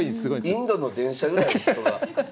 インドの電車ぐらい人が。